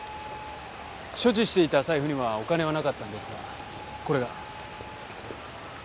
所持していた財布にはお金はなかったんですがこれが。